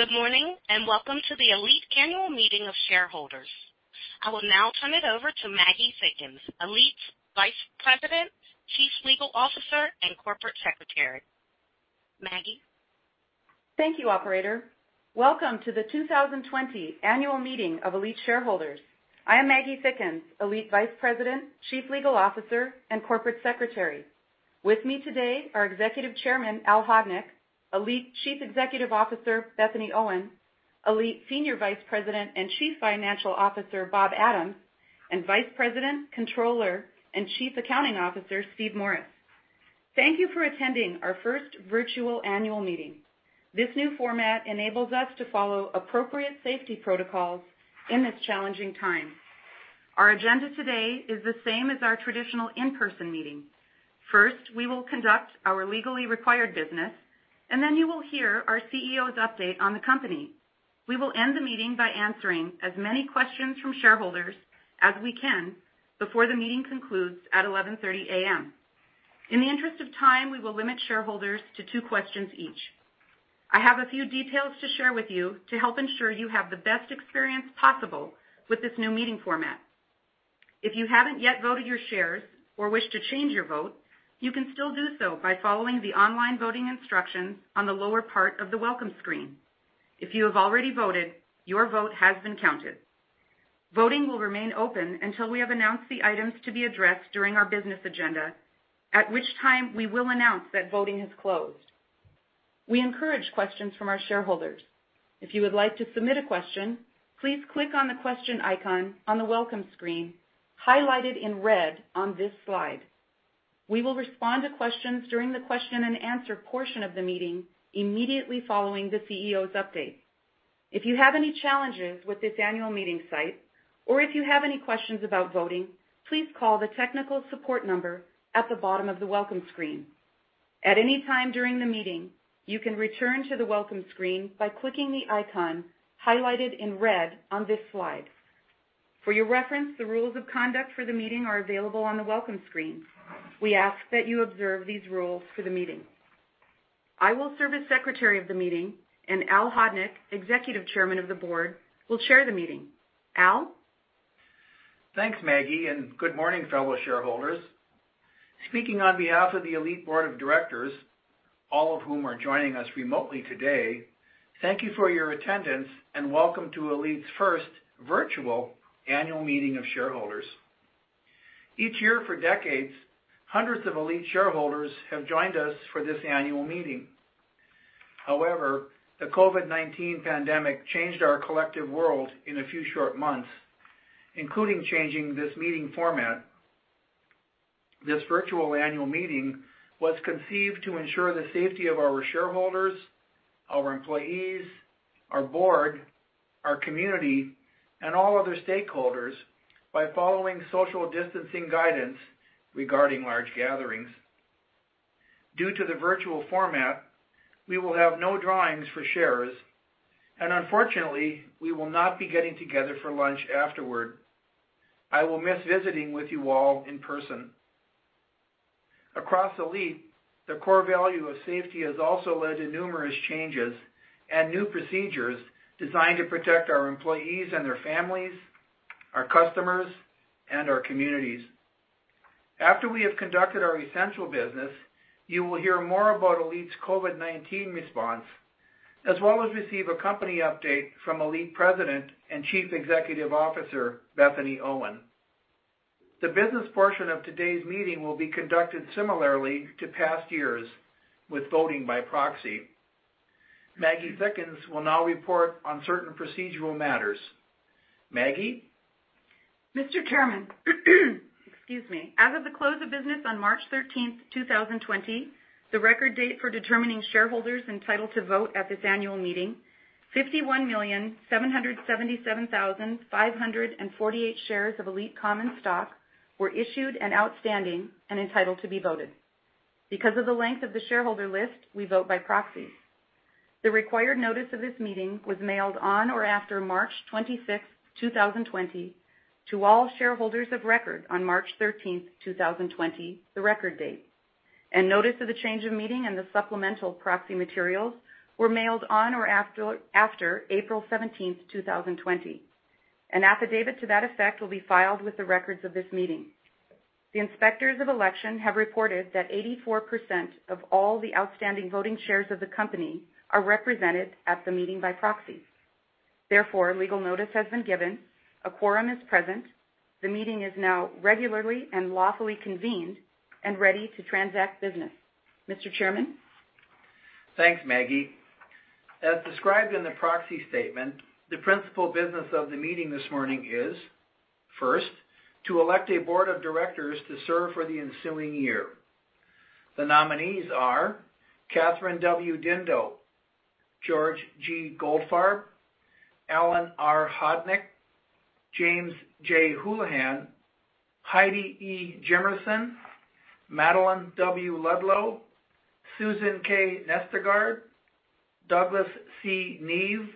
Good morning, and welcome to the ALLETE annual meeting of shareholders. I will now turn it over to Maggie Thickens, ALLETE Vice President, Chief Legal Officer, and Corporate Secretary. Maggie? Thank you, operator. Welcome to the 2020 annual meeting of ALLETE shareholders. I am Maggie Thickens, ALLETE Vice President, Chief Legal Officer, and Corporate Secretary. With me today are Executive Chairman Alan R. Hodnik, ALLETE Chief Executive Officer Bethany Owen, ALLETE Senior Vice President and Chief Financial Officer Bob Adams, and Vice President, Controller, and Chief Accounting Officer Steve Morris. Thank you for attending our first virtual annual meeting. This new format enables us to follow appropriate safety protocols in this challenging time. Our agenda today is the same as our traditional in-person meeting. First, we will conduct our legally required business, then you will hear our CEO's update on the company. We will end the meeting by answering as many questions from shareholders as we can before the meeting concludes at 11:30 A.M. In the interest of time, we will limit shareholders to two questions each. I have a few details to share with you to help ensure you have the best experience possible with this new meeting format. If you haven't yet voted your shares or wish to change your vote, you can still do so by following the online voting instructions on the lower part of the welcome screen. If you have already voted, your vote has been counted. Voting will remain open until we have announced the items to be addressed during our business agenda, at which time we will announce that voting has closed. We encourage questions from our shareholders. If you would like to submit a question, please click on the question icon on the welcome screen highlighted in red on this slide. We will respond to questions during the question and answer portion of the meeting immediately following the CEO's update. If you have any challenges with this annual meeting site or if you have any questions about voting, please call the technical support number at the bottom of the welcome screen. At any time during the meeting, you can return to the welcome screen by clicking the icon highlighted in red on this slide. For your reference, the rules of conduct for the meeting are available on the welcome screen. We ask that you observe these rules for the meeting. I will serve as secretary of the meeting, and Alan R. Hodnik, Executive Chairman of the Board, will chair the meeting. Alan? Thanks, Bethany, and good morning, fellow shareholders. Speaking on behalf of the ALLETE board of directors, all of whom are joining us remotely today, thank you for your attendance and welcome to ALLETE's first virtual annual meeting of shareholders. Each year for decades, hundreds of ALLETE shareholders have joined us for this annual meeting. However, the COVID-19 pandemic changed our collective world in a few short months, including changing this meeting format. This virtual annual meeting was conceived to ensure the safety of our shareholders, our employees, our board, our community, and all other stakeholders by following social distancing guidance regarding large gatherings. Due to the virtual format, we will have no drawings for shares, and unfortunately, we will not be getting together for lunch afterward. I will miss visiting with you all in person. Across ALLETE, the core value of safety has also led to numerous changes and new procedures designed to protect our employees and their families, our customers, and our communities. After we have conducted our essential business, you will hear more about ALLETE's COVID-19 response, as well as receive a company update from ALLETE President and Chief Executive Officer, Bethany Owen. The business portion of today's meeting will be conducted similarly to past years, with voting by proxy. Maggie Thickens will now report on certain procedural matters. Maggie? Mr. Chairman. Excuse me. As of the close of business on March 13th, 2020, the record date for determining shareholders entitled to vote at this annual meeting, 51,777,548 shares of ALLETE common stock were issued and outstanding and entitled to be voted. Because of the length of the shareholder list, we vote by proxy. The required notice of this meeting was mailed on or after March 26th, 2020, to all shareholders of record on March 13th, 2020, the record date. Notice of the change of meeting and the supplemental proxy materials were mailed on or after April 17th, 2020. An affidavit to that effect will be filed with the records of this meeting. The Inspectors of Election have reported that 84% of all the outstanding voting shares of the company are represented at the meeting by proxy. Legal notice has been given, a quorum is present, the meeting is now regularly and lawfully convened and ready to transact business. Mr. Chairman? Thanks, Maggie. As described in the proxy statement, the principal business of the meeting this morning is, first, to elect a board of directors to serve for the ensuing year. The nominees are Kathryn W. Dindo, George G. Goldfarb, Alan R. Hodnik, James J. Hoolihan, Heidi E. Jimmerson, Madeleine W. Ludlow, Susan K. Nestegard, Douglas C. Neve,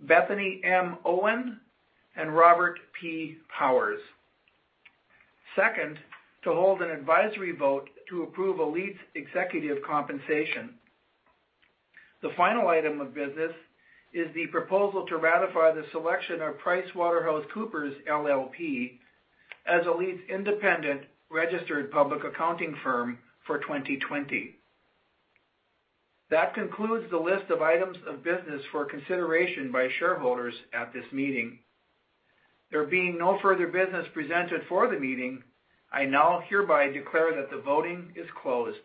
Bethany M. Owen, and Robert P. Powers. Second, to hold an advisory vote to approve ALLETE's executive compensation. The final item of business is the proposal to ratify the selection of PricewaterhouseCoopers LLP as ALLETE's independent registered public accounting firm for 2020. That concludes the list of items of business for consideration by shareholders at this meeting. There being no further business presented for the meeting, I now hereby declare that the voting is closed.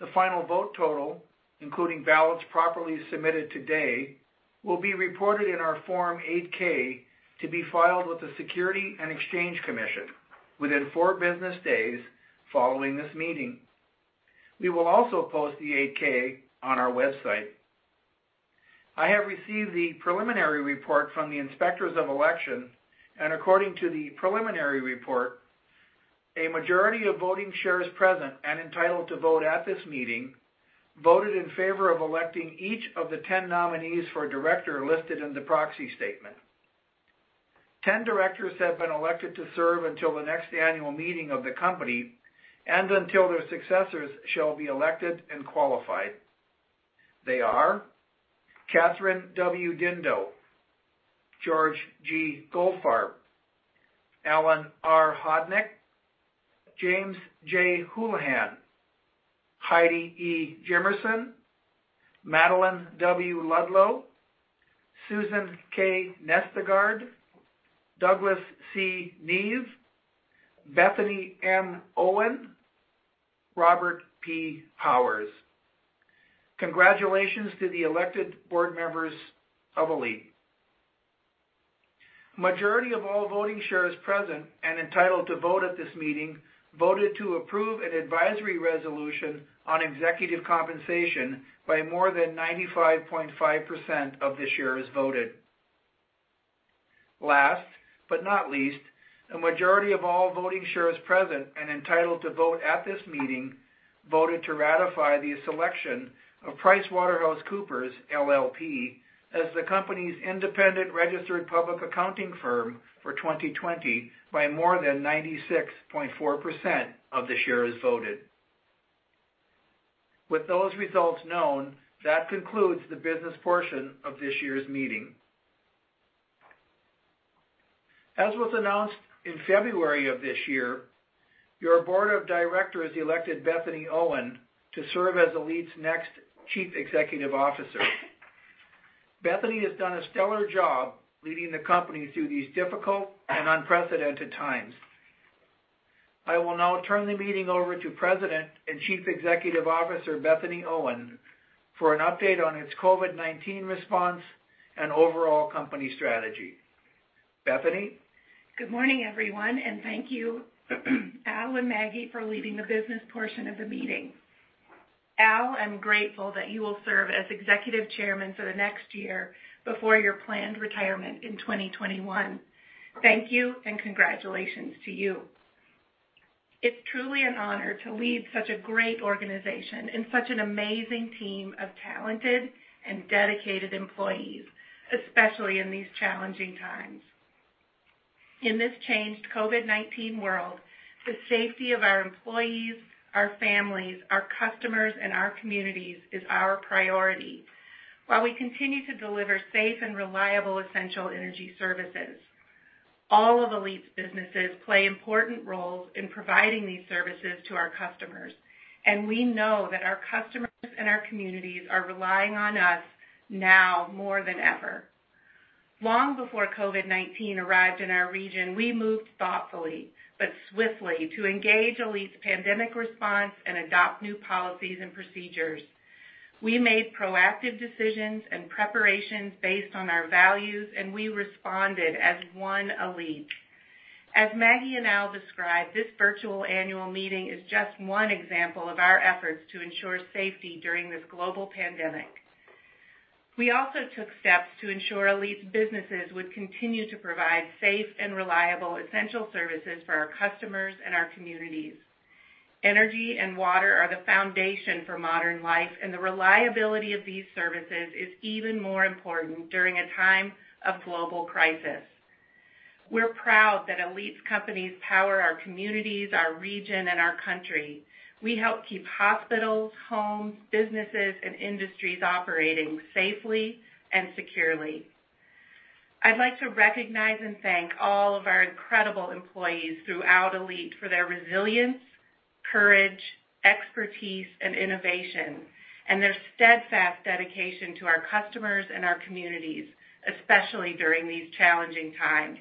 The final vote total, including ballots properly submitted today, will be reported in our Form 8-K to be filed with the Securities and Exchange Commission within four business days following this meeting. We will also post the 8-K on our website. I have received the preliminary report from the Inspectors of Election, and according to the preliminary report, a majority of voting shares present and entitled to vote at this meeting voted in favor of electing each of the 10 nominees for director listed in the proxy statement. 10 directors have been elected to serve until the next annual meeting of the company and until their successors shall be elected and qualified. They are Kathryn W. Dindo, George G. Goldfarb, Alan R. Hodnik, James J. Hoolihan, Heidi E. Jimmerson, Madeleine W. Ludlow, Susan K. Nestegard, Douglas C. Neve, Bethany M. Owen, Robert P. Powers. Congratulations to the elected board members of ALLETE. Majority of all voting shares present and entitled to vote at this meeting voted to approve an advisory resolution on executive compensation by more than 95.5% of the shares voted. Last but not least, the majority of all voting shares present and entitled to vote at this meeting voted to ratify the selection of PricewaterhouseCoopers LLP as the company's independent registered public accounting firm for 2020 by more than 96.4% of the shares voted. With those results known, that concludes the business portion of this year's meeting. As was announced in February of this year, your board of directors elected Bethany Owen to serve as ALLETE's next Chief Executive Officer. Bethany has done a stellar job leading the company through these difficult and unprecedented times. I will now turn the meeting over to President and Chief Executive Officer, Bethany Owen, for an update on its COVID-19 response and overall company strategy. Bethany? Good morning, everyone, and thank you, Alan and Bethany Owen for leading the business portion of the meeting. Alan, I'm grateful that you will serve as executive chairman for the next year before your planned retirement in 2021. Thank you, and congratulations to you. It's truly an honor to lead such a great organization and such an amazing team of talented and dedicated employees, especially in these challenging times. In this changed COVID-19 world, the safety of our employees, our families, our customers, and our communities is our priority while we continue to deliver safe and reliable essential energy services. All of ALLETE's businesses play important roles in providing these services to our customers, and we know that our customers and our communities are relying on us now more than ever. Long before COVID-19 arrived in our region, we moved thoughtfully but swiftly to engage ALLETE's pandemic response and adopt new policies and procedures. We made proactive decisions and preparations based on our values. We responded as one ALLETE. As Maggie and Al described, this virtual annual meeting is just one example of our efforts to ensure safety during this global pandemic. We also took steps to ensure ALLETE's businesses would continue to provide safe and reliable essential services for our customers and our communities. Energy and water are the foundation for modern life. The reliability of these services is even more important during a time of global crisis. We're proud that ALLETE's companies power our communities, our region, and our country. We help keep hospitals, homes, businesses, and industries operating safely and securely. I'd like to recognize and thank all of our incredible employees throughout ALLETE for their resilience, courage, expertise, and innovation, and their steadfast dedication to our customers and our communities, especially during these challenging times.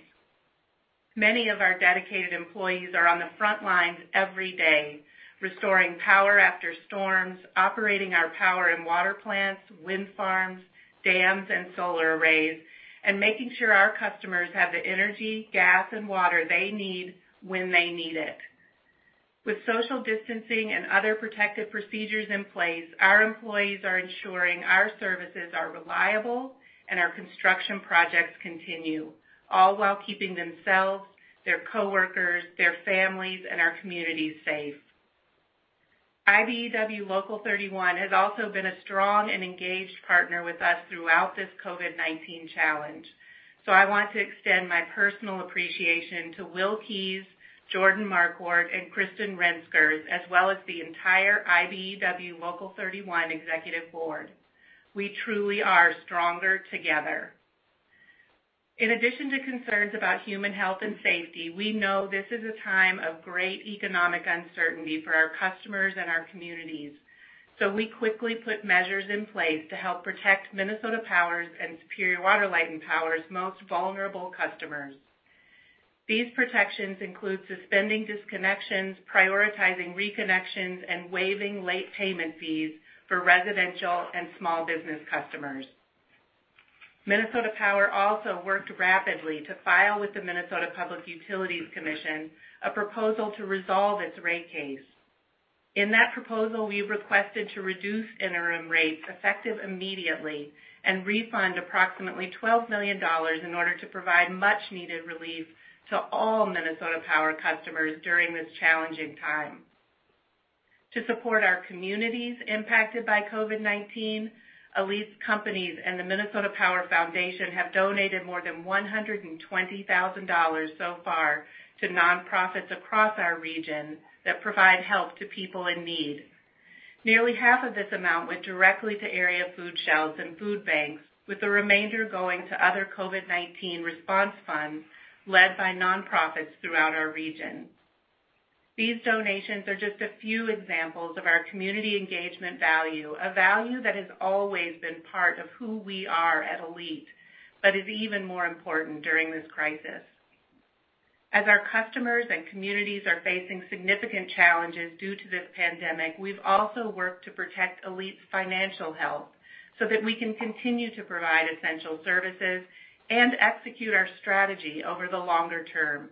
Many of our dedicated employees are on the front lines every day, restoring power after storms, operating our power and water plants, wind farms, dams, and solar arrays, and making sure our customers have the energy, gas, and water they need when they need it. With social distancing and other protective procedures in place, our employees are ensuring our services are reliable and our construction projects continue, all while keeping themselves, their coworkers, their families, and our communities safe. IBEW Local 31 has also been a strong and engaged partner with us throughout this COVID-19 challenge. I want to extend my personal appreciation to Will Keyes, Jordan Marquart, and Kristin Renskers, as well as the entire IBEW Local 31 executive board. We truly are stronger together. In addition to concerns about human health and safety, we know this is a time of great economic uncertainty for our customers and our communities. We quickly put measures in place to help protect Minnesota Power's and Superior Water, Light and Power Company's most vulnerable customers. These protections include suspending disconnections, prioritizing reconnections, and waiving late payment fees for residential and small business customers. Minnesota Power also worked rapidly to file with the Minnesota Public Utilities Commission a proposal to resolve its rate case. In that proposal, we requested to reduce interim rates effective immediately and refund approximately $12 million in order to provide much-needed relief to all Minnesota Power customers during this challenging time. To support our communities impacted by COVID-19, ALLETE companies and the Minnesota Power Foundation have donated more than $120,000 so far to nonprofits across our region that provide help to people in need. Nearly half of this amount went directly to area food shelves and food banks, with the remainder going to other COVID-19 response funds led by nonprofits throughout our region. These donations are just a few examples of our community engagement value, a value that has always been part of who we are at ALLETE, but is even more important during this crisis. As our customers and communities are facing significant challenges due to this pandemic, we've also worked to protect ALLETE's financial health so that we can continue to provide essential services and execute our strategy over the longer term.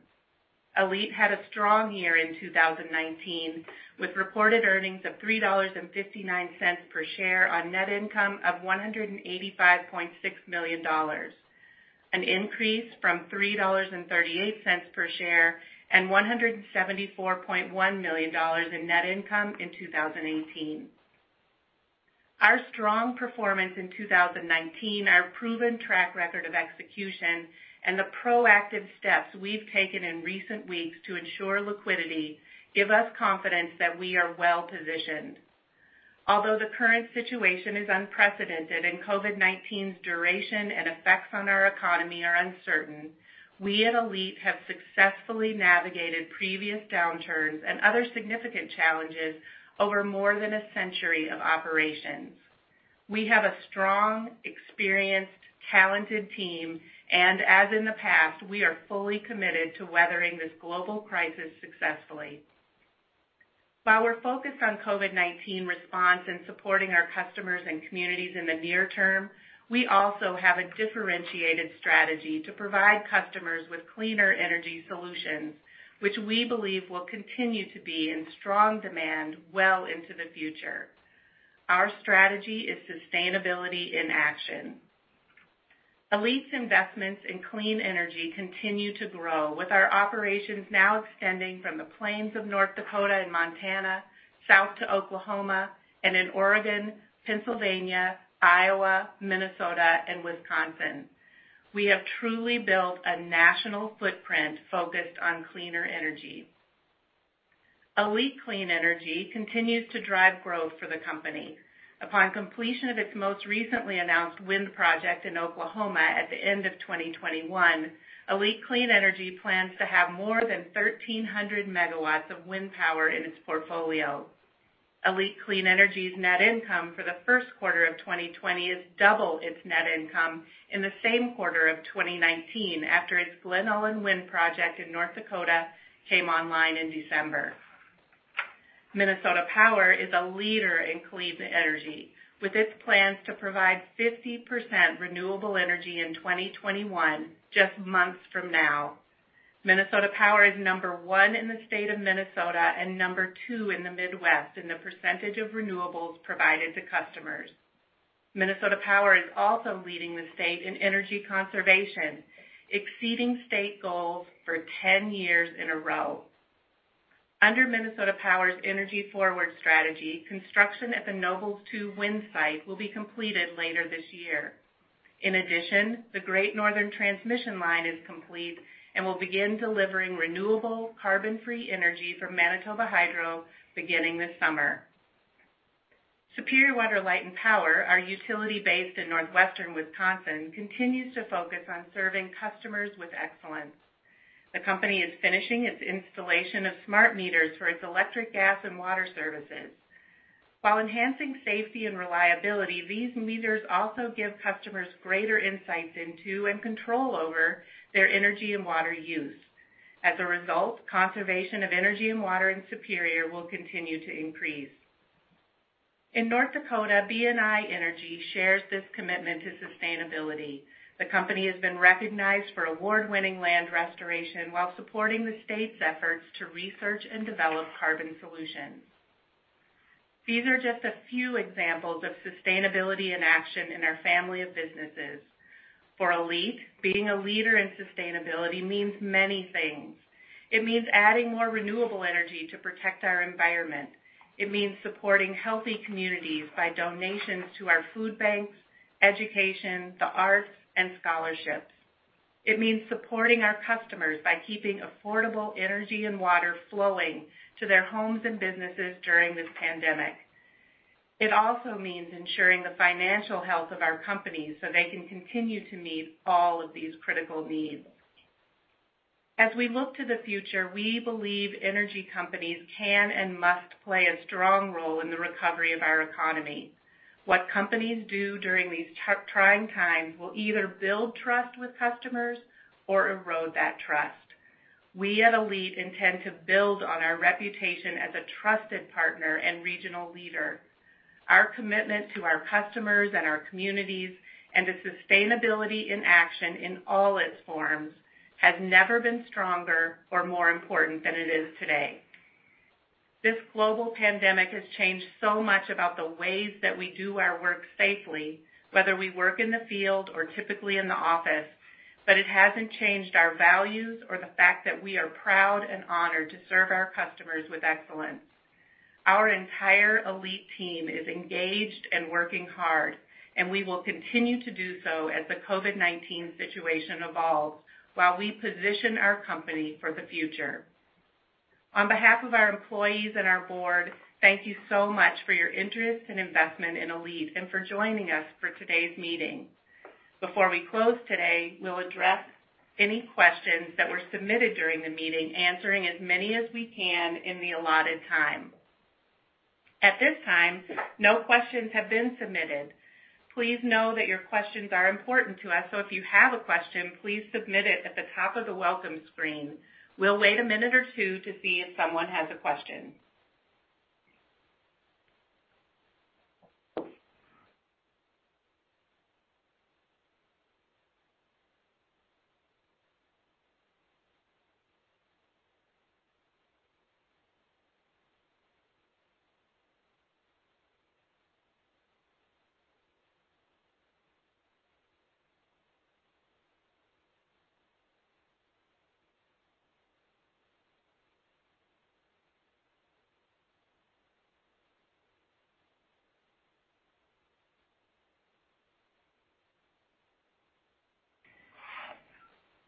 ALLETE had a strong year in 2019, with reported earnings of $3.59 per share on net income of $185.6 million, an increase from $3.38 per share and $174.1 million in net income in 2018. Our strong performance in 2019, our proven track record of execution, and the proactive steps we've taken in recent weeks to ensure liquidity give us confidence that we are well-positioned. Although the current situation is unprecedented and COVID-19's duration and effects on our economy are uncertain, we at ALLETE have successfully navigated previous downturns and other significant challenges over more than a century of operations. We have a strong, experienced, talented team and, as in the past, we are fully committed to weathering this global crisis successfully. While we're focused on COVID-19 response and supporting our customers and communities in the near term, we also have a differentiated strategy to provide customers with cleaner energy solutions, which we believe will continue to be in strong demand well into the future. Our strategy is sustainability in action. ALLETE's investments in clean energy continue to grow, with our operations now extending from the plains of North Dakota and Montana, south to Oklahoma, and in Oregon, Pennsylvania, Iowa, Minnesota, and Wisconsin. We have truly built a national footprint focused on cleaner energy. ALLETE Clean Energy continues to drive growth for the company. Upon completion of its most recently announced wind project in Oklahoma at the end of 2021, ALLETE Clean Energy plans to have more than 1,300 megawatts of wind power in its portfolio. ALLETE Clean Energy's net income for the first quarter of 2020 is double its net income in the same quarter of 2019 after its Glen Ullin wind project in North Dakota came online in December. Minnesota Power is a leader in clean energy, with its plans to provide 50% renewable energy in 2021, just months from now. Minnesota Power is number one in the state of Minnesota and number two in the Midwest in the percentage of renewables provided to customers. Minnesota Power is also leading the state in energy conservation, exceeding state goals for 10 years in a row. Under Minnesota Power's EnergyForward strategy, construction at the Noble two wind site will be completed later this year. In addition, the Great Northern Transmission Line is complete and will begin delivering renewable carbon-free energy from Manitoba Hydro beginning this summer. Superior Water, Light, and Power, our utility based in northwestern Wisconsin, continues to focus on serving customers with excellence. The company is finishing its installation of smart meters for its electric, gas, and water services. While enhancing safety and reliability, these meters also give customers greater insights into and control over their energy and water use. As a result, conservation of energy and water in Superior will continue to increase. In North Dakota, BNI Energy shares this commitment to sustainability. The company has been recognized for award-winning land restoration while supporting the state's efforts to research and develop carbon solutions. These are just a few examples of sustainability in action in our family of businesses. For ALLETE, being a leader in sustainability means many things. It means adding more renewable energy to protect our environment. It means supporting healthy communities by donations to our food banks, education, the arts, and scholarships. It means supporting our customers by keeping affordable energy and water flowing to their homes and businesses during this pandemic. It also means ensuring the financial health of our companies so they can continue to meet all of these critical needs. As we look to the future, we believe energy companies can and must play a strong role in the recovery of our economy. What companies do during these trying times will either build trust with customers or erode that trust. We at ALLETE intend to build on our reputation as a trusted partner and regional leader. Our commitment to our customers and our communities, and to sustainability in action in all its forms, has never been stronger or more important than it is today. This global pandemic has changed so much about the ways that we do our work safely, whether we work in the field or typically in the office, but it hasn't changed our values or the fact that we are proud and honored to serve our customers with excellence. Our entire ALLETE team is engaged and working hard, and we will continue to do so as the COVID-19 situation evolves while we position our company for the future. On behalf of our employees and our board, thank you so much for your interest and investment in ALLETE and for joining us for today's meeting. Before we close today, we'll address any questions that were submitted during the meeting, answering as many as we can in the allotted time. At this time, no questions have been submitted. Please know that your questions are important to us, so if you have a question, please submit it at the top of the welcome screen. We'll wait a minute or two to see if someone has a question.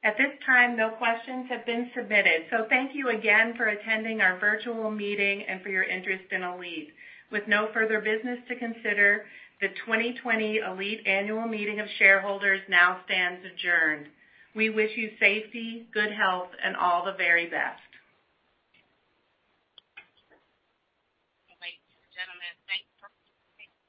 At this time, no questions have been submitted. Thank you again for attending our virtual meeting and for your interest in ALLETE. With no further business to consider, the 2020 ALLETE Annual Meeting of Shareholders now stands adjourned. We wish you safety, good health, and all the very best. Ladies and gentlemen, thank you for.